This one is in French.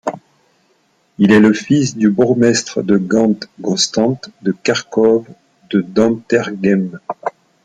Il est le fils du bourgmestre de Gand Constant de Kerchove de Denterghem.